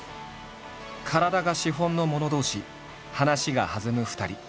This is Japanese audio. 体が資本の者同士話が弾む２人。